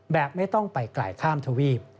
แบบไม่ต้องไปไกลข้ามทวีป